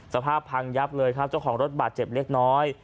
สภาพพังยับเลยครับเจ้าของรถบาดเจ็บเล็กน้อย